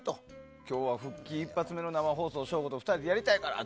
今日は復帰一発目の生放送省吾と２人でやりたいからって。